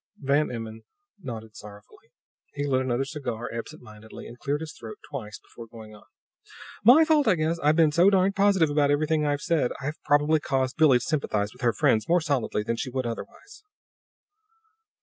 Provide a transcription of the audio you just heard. Van Emmon nodded sorrowfully. He lit another cigar absent mindedly and cleared his throat twice before going on: "My fault, I guess. I've been so darned positive about everything I've said, I've probably caused Billie to sympathize with her friends more solidly than she would otherwise."